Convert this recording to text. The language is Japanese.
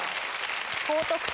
高得点。